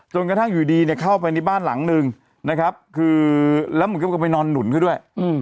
กระทั่งอยู่ดีเนี่ยเข้าไปในบ้านหลังนึงนะครับคือแล้วมันก็ไปนอนหนุนเขาด้วย